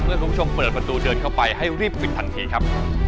คุณผู้ชมเปิดประตูเดินเข้าไปให้รีบปิดทันทีครับ